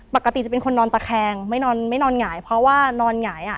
ปกติจะเป็นคนนอนตะแคงไม่นอนไม่นอนหงายเพราะว่านอนหงายอ่ะ